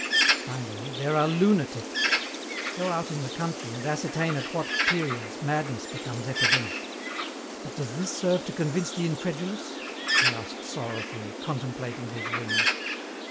Finally, there are lunatics. Go out in the country and ascertain at what periods madness becomes epidemic. But does this serve to convince the incredulous?" he asked sorrowfully, contemplating his rings.